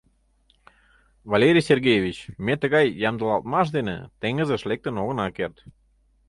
— Валерий Сергеевич, ме тыгай ямдылалтмаш дене теҥызыш лектын огына керт.